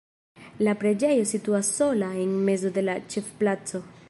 La preĝejo situas sola en mezo de la ĉefplaco.